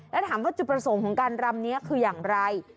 แล้วถามว่าจุดประสงค์ของการรำนี้คืออย่างไร